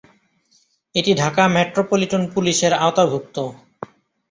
এটি ঢাকা মেট্রোপলিটন পুলিশের আওতাভুক্ত।